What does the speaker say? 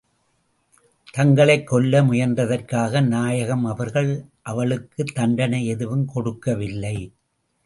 தங்களைக் கொல்ல முயன்றதற்காக நாயகம் அவர்கள், அவளுக்குத் தண்டனை எதுவும் கொடுக்கவில்லை.